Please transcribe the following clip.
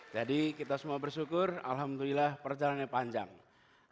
jadi kita semua bersyukur alhamdulillah perjalanannya panjang